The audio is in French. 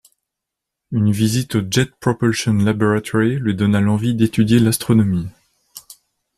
Une visite au Jet Propulsion Laboratory lui donna l'envie d'étudier l'astronomie.